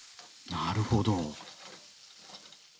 なるほど。